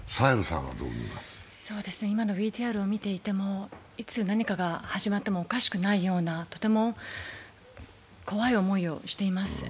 今のＶＴＲを見ていても、いつ何かが始まってもおかしくないようなとても怖い思いをしています。